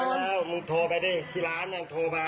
โทรไปแล้วมึงโทรไปดิที่ร้านเนี่ยโทรไป